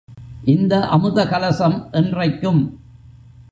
இந்த அமுதகலசம் என்றைக்கும்.